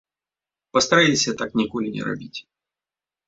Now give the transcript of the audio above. Пастарайцеся так ніколі не рабіць.